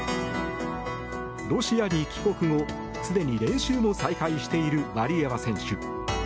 ロシアに帰国後すでに練習も再開しているワリエワ選手。